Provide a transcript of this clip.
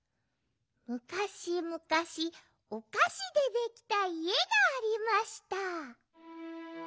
むかしむかしおかしでできたいえがありました。